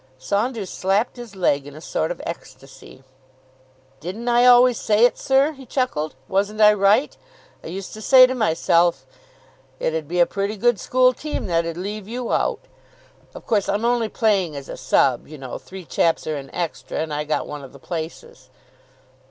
Saunders slapped his leg in a sort of ecstasy. "Didn't I always say it, sir," he chuckled. "Wasn't I right? I used to say to myself it 'ud be a pretty good school team that 'ud leave you out." "Of course, I'm only playing as a sub., you know. Three chaps are in extra, and I got one of the places."